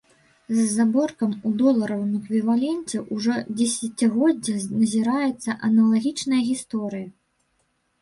З заробкам у доларавым эквіваленце ўжо дзесяцігоддзе назіраецца аналагічная гісторыя.